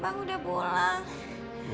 bang udah pulang